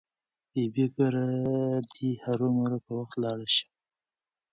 ببۍ کره دې هرو مرو په وخت لاړه شه.